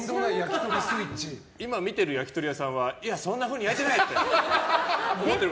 今見ている焼き鳥屋さんはそんなふうに焼いてないって思ってる。